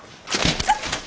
あっ。